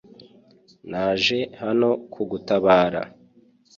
Naje hano kugutabara .